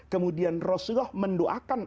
kemudian rasulullah mendoakan